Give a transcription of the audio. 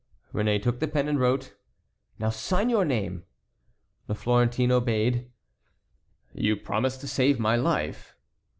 '" Réné took the pen and wrote. "Now sign your name." The Florentine obeyed. "You promised to save my life."